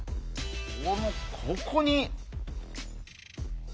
ここに。